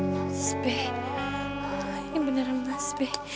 mas be ini beneran mas be